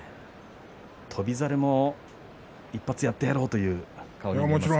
翔猿も一発やってやろうという顔に見えます。